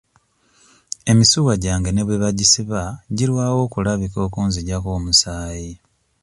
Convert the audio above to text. Emisuwa gyange ne bwe bagisiba girwawo okulabika okunzigyako omusaayi.